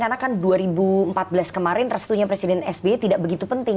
karena kan dua ribu empat belas kemarin restunya presiden sby tidak begitu penting